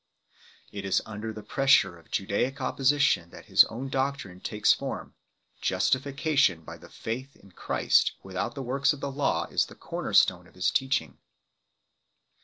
It is under the pressure of Judaic opposition that his own doctrine takes form; justification by the faith in Christ without the works of the law is the corner stone of his teaching.